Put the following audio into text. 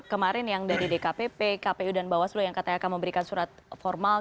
kemarin yang dari dkpp kpu dan bawaslu yang katanya akan memberikan surat formal